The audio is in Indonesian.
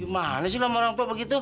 gimana sih sama orang tua begitu